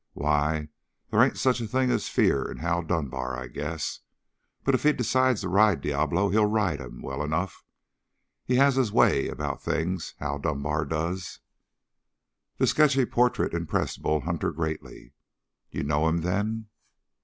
"Why, they ain't such a thing as fear in Hal Dunbar, I guess. But if he decides to ride Diablo, he'll ride him, well enough. He has his way about things, Hal Dunbar does." The sketchy portrait impressed Bull Hunter greatly. "You know him, then?"